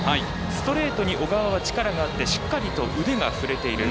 ストレートに小川は力があってしっかりと腕が振れている。